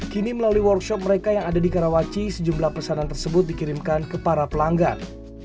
kini melalui workshop mereka yang ada di karawaci sejumlah pesanan tersebut dikirimkan ke para pelanggan